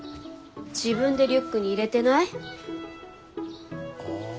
自分でリュックに入れてない？ああ。